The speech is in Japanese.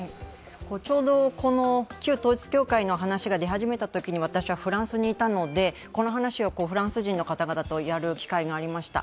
ちょうどこの旧統一教会の話が出始めたときに、私はフランスにいたのでこの話をフランス人の方々とやる機会がありました。